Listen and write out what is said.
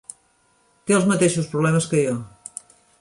Té els mateixos problemes que jo.